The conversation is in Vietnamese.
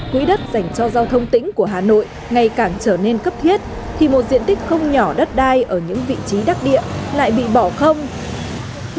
quỹ đất dành cho giao thông tỉnh của hà nội ngày càng trở nên cấp thiết thì một diện tích không nhỏ đất đai ở những vị trí đắc địa lại bị bỏ không